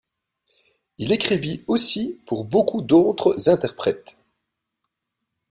Il écrivit aussi pour beaucoup d'autres interprètes.